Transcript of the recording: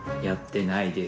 やってない。